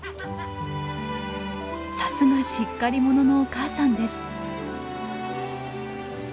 さすがしっかり者のお母さんです。